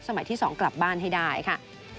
ที่๒กลับบ้านให้ได้ค่ะ